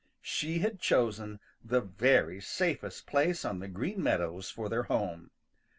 She had chosen the very safest place on the Green Meadows for their home.